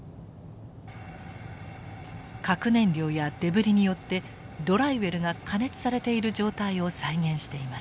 核燃料やデブリによってドライウェルが加熱されている状態を再現しています。